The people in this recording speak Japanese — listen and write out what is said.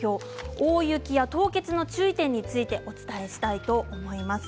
大雪や凍結の注意点についてお伝えしたいと思います。